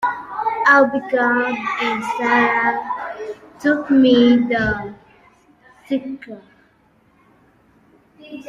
Abigail and Sara told me the secret.